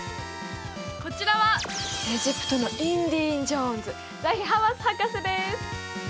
こちらはエジプトのインディ・ジョーンズザヒ・ハワス博士です